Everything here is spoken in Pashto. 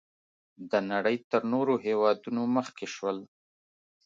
د نړۍ تر نورو هېوادونو مخکې شول.